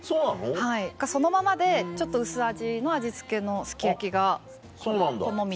はいそのままでちょっと薄味の味付けのすき焼きが好みというか。